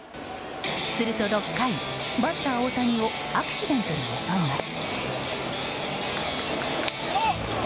すると６回、バッター大谷をアクシデントが襲います。